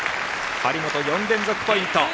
張本、４連続ポイント。